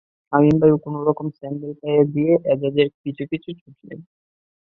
শামীম ভাইও কোনো রকমে স্যান্ডেল পায়ে দিয়ে এজাজের পিছু পিছু ছুটলেন।